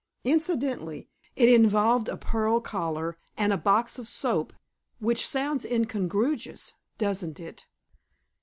Incidentally, it involved a pearl collar and a box of soap, which sounds incongruous, doesn't it?